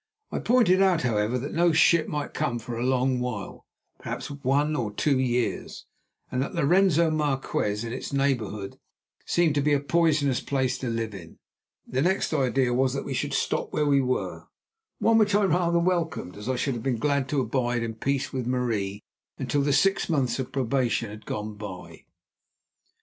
I pointed out, however, that no ship might come for a long while, perhaps for one or two years, and that Lorenzo Marquez and its neighborhood seemed to be a poisonous place to live in! The next idea was that we should stop where we were, one which I rather welcomed, as I should have been glad to abide in peace with Marie until the six months of probation had gone by.